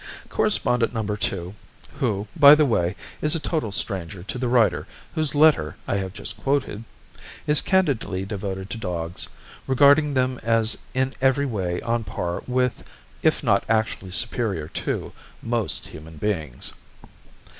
Correspondent No. 2 (who, by the way, is a total stranger to the writer whose letter I have just quoted) is candidly devoted to dogs, regarding them as in every way on a par with, if not actually superior to, most human beings.